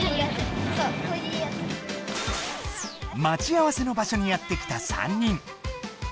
まち合わせの場所にやって来た３人。